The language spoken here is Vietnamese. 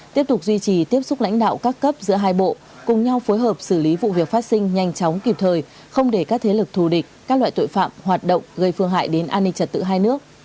tiếp tục duy trì tiếp xúc lãnh đạo các cấp giữa hai bộ cùng nhau phối hợp xử lý vụ việc phát sinh nhanh chóng kịp thời không để các thế lực thù địch các loại tội phạm hoạt động gây phương hại đến an ninh trật tự hai nước